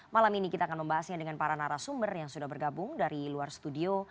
malam ini kita akan membahasnya dengan para narasumber yang sudah bergabung dari luar studio